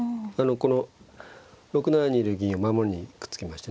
この６七にいる銀を守りにくっつけましてね。